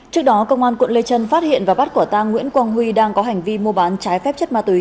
trước đó công an quận lê trân phát hiện và bắt quả tang nguyễn quang huy đang có hành vi mua bán trái phép chất ma túy